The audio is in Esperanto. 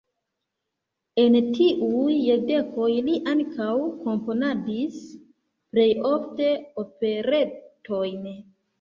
En tiuj jardekoj li ankaŭ komponadis, plej ofte operetojn.